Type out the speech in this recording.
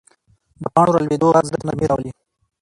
د پاڼو رالوېدو غږ زړه ته نرمي راولي